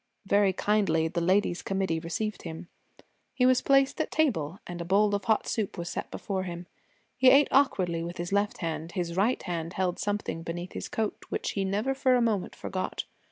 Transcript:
Very kindly the ladies' committee received him. He was placed at a table and a bowl of hot soup was set before him. He ate awkwardly with his left hand. His right hand held something beneath his coat, which he never for a moment forgot.